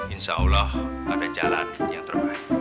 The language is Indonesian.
insya allah ada jalan yang terbaik